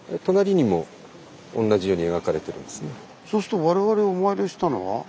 そうすると我々お参りしたのは。